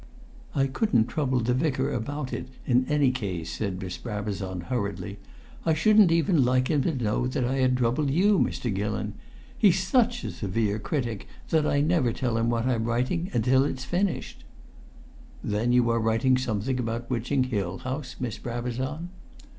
"I couldn't trouble the Vicar about it, in any case," said Miss Brabazon, hurriedly. "I shouldn't even like him to know that I had troubled you, Mr. Gillon. He's such a severe critic that I never tell him what I'm writing until it's finished." "Then you are writing something about Witching Hill House, Miss Brabazon?"